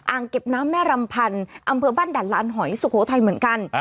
เก็บน้ำแม่รำพันธ์อำเภอบ้านด่านลานหอยสุโขทัยเหมือนกัน